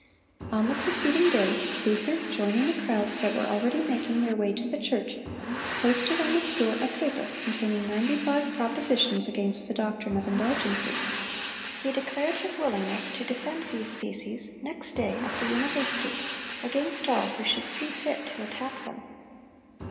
On the preceding day, Luther, joining the crowds that were already making their way to the church, posted on its door a paper containing ninety five propositions against the doctrine of indulgences. He declared his willingness to defend these theses next day at the university, against all who should see fit to attack them.